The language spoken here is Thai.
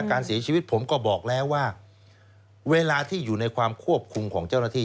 การเสียชีวิตผมก็บอกแล้วว่าเวลาที่อยู่ในความควบคุมของเจ้าหน้าที่